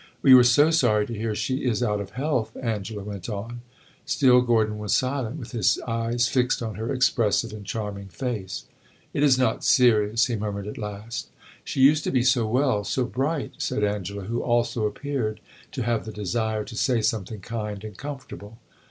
"We were so sorry to hear she is out of health," Angela went on. Still Gordon was silent, with his eyes fixed on her expressive and charming face. "It is not serious," he murmured at last. "She used to be so well so bright," said Angela, who also appeared to have the desire to say something kind and comfortable.